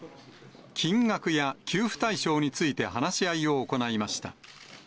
金額や給付対象について話し合いを行いました。